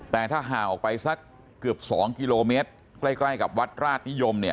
แต่ถ้าห่างออกไปสักเกือบ๒กิโลเมตรใกล้กับวัดราชนิยมเนี่ย